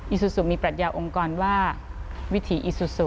ซูซูมีปรัชญาองค์กรว่าวิถีอีซูซู